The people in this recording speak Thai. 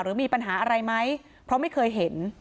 หรือมีปัญหาอะไรไหมเพราะไม่เคยเห็น